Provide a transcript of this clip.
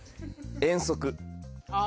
遠足。